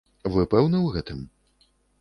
Вы пэўны ў гэтым?